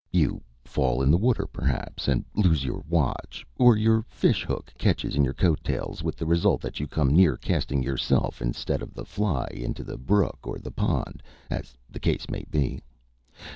You fall in the water perhaps, and lose your watch, or your fish hook catches in your coat tails, with the result that you come near casting yourself instead of the fly into the brook or the pond, as the case may be.